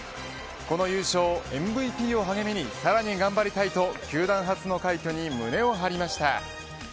この優勝、ＭＶＰを励みにさらに頑張りたいと球団初の快挙に胸を張りました。